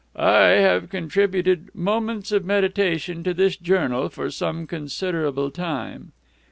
"I have contributed 'Moments of Meditation' to this journal for some considerable time."